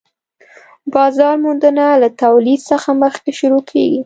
بازار موندنه له تولید څخه مخکې شروع کيږي